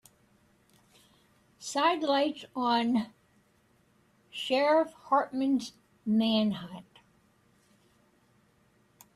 Sidelights on Sheriff Hartman's manhunt.